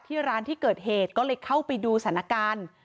ร้านที่เกิดเหตุก็เลยเข้าไปดูสถานการณ์